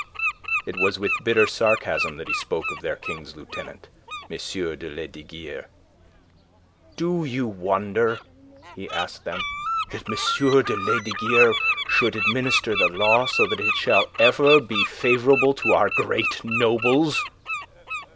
It was with bitter sarcasm that he spoke of their King's Lieutenant, M. de Lesdiguieres. "Do you wonder," he asked them, "that M. de Lesdiguieres should administer the law so that it shall ever be favourable to our great nobles?